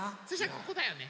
ここだよね。